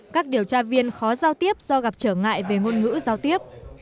các điều tra viên khó giao tiếp do gặp trở ngại về ngôn ngữ giao tiếp